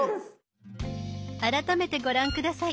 改めてご覧下さい。